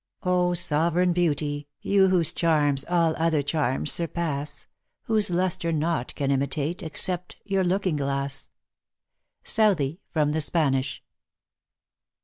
OH sovereign beauty, you whose charms All other charms surpass ; Whose lustre nought can imitate, Except your looking glass. SOUTHEY, from the Spanish.